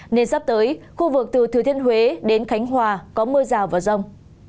nên sắp tới khu vực từ thừa thiên huế đến khánh hòa có mưa rào và rông